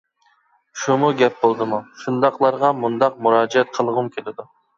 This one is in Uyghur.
شۇمۇ گەپ بولدىمۇ؟ ؟ شۇنداقلارغا مۇنداق مۇراجىئەت قىلغۇم كېلىدۇ!